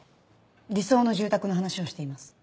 理想の住宅の話をしています。